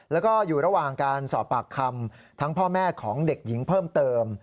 แล้วก็อยู่ระหว่างการสอบปากคำทั้งพ่อแม่ของเด็กหญิงเพิ่มเติม